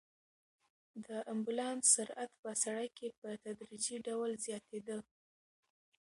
د امبولانس سرعت په سړک کې په تدریجي ډول زیاتېده.